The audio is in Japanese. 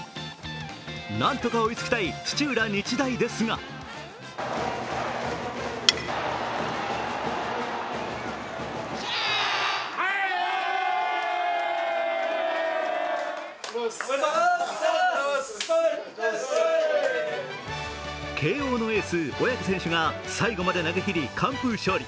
何とか追いつきたい土浦日大ですが慶応のエース・小宅選手が最後まで投げきり完封勝利。